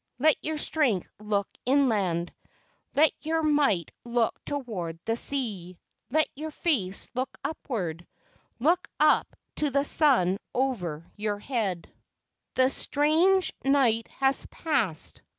Let your strength look inland; Let your might look toward the sea; Let your face look upward; Look up to the sun over your head; i88 LEGENDS OF GHOSTS The strange night has passed.